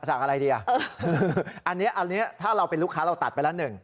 สั่งอะไรดีอ่ะอันนี้อันนี้ถ้าเราเป็นลูกค้าเราตัดไปแล้วหนึ่ง